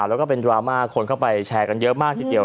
แล้วก็เป็นดราม่าคนเข้าไปแชร์กันเยอะมากทีเดียว